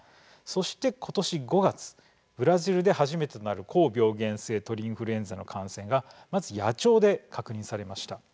そして今年５月ブラジルで初めてとなる高病原性鳥インフルエンザの感染がまず野鳥で確認されました。